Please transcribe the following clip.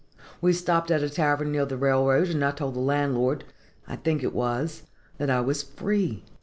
"We stopped at a tavern near the railroad, and I told the landlord (I think it was) that I was free.